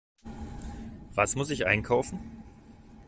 Was muss ich einkaufen?